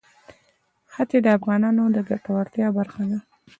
ښتې د افغانانو د ګټورتیا برخه ده.